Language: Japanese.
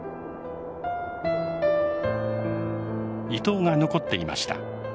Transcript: イトウが残っていました。